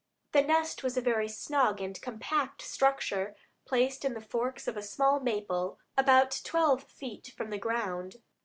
The nest was a very snug and compact structure placed in the forks of a small maple about twelve feet from the ground.